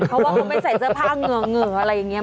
เพราะว่าเขาไม่ใส่เสื้อผ้าเหงื่ออะไรอย่างนี้